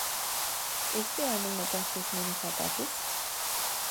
Este ano notastes menos ataques?